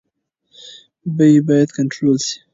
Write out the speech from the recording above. بیې باید کنټرول شي.